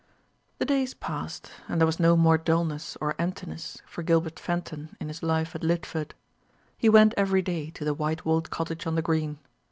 The days passed, and there was no more dulness or emptiness for Gilbert Fenton in his life at Lidford. He went every day to the white walled cottage on the green.